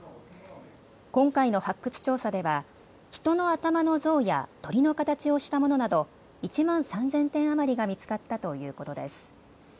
今回の発掘調査では人の頭の像や鳥の形をしたものなど１万３０００点余りが見つかったということです。